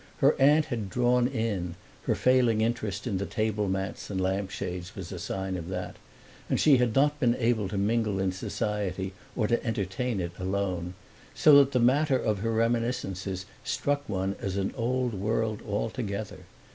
Her aunt had drawn in her failing interest in the table mats and lampshades was a sign of that and she had not been able to mingle in society or to entertain it alone; so that the matter of her reminiscences struck one as an old world altogether.